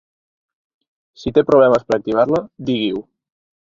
Si té problemes per activar-la digui-ho.